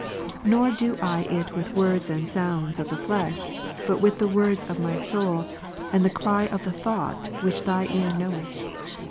Nor do I it with words and sounds of the flesh, but with the words of my soul, and the cry of the thought which Thy ear knoweth.